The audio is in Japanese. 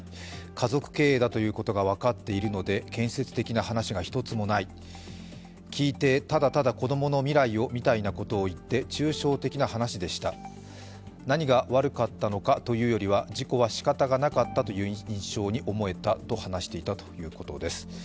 家族経営だということが分かっているので建設的な話が一つもない、聞いてただただ子供の未来をみたいなことを言って抽象的な話でした、何が悪かったのかというよりは事故はしかたがなかったという印象に思えたと話していたということです。